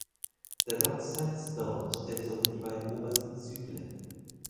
Der Dox Sandstone stellt somit die beiden obersten Zyklen.